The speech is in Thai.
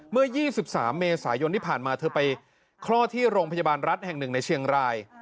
เมื่อ๒๓เมษายนที่ผ่านมาเธอไปคลอดที่โรงพยาบาลรัฐแห่งหนึ่งในเชียงราย